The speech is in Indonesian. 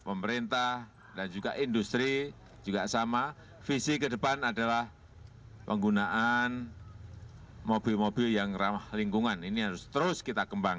pemerintah akan melakukan penyelenggaraan